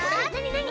なに？